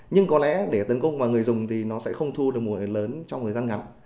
nhưng có lẽ để tấn công vào người dùng thì nó sẽ không thu được một lớn trong thời gian ngắn